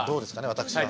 私は。